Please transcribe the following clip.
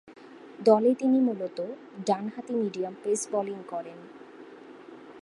দলে তিনি মূলতঃ ডানহাতি মিডিয়াম পেস বোলিং করেন।